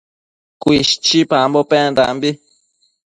Cuishchipambo pendambi